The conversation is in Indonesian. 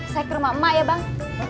saya ke rumah emak ya bang